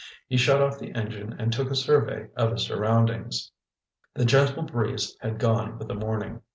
He shut off the engine and took a survey of his surroundings. The gentle breeze had gone with the morning.